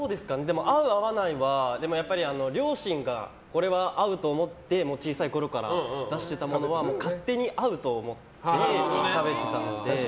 合う合わないは両親がこれは合うと思って小さいころから出してたものは、勝手に合うと思って食べていたので。